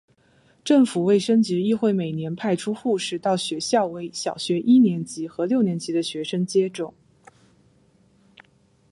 政府卫生局亦会每年派出护士到学校为小学一年级和六年级的学生接种。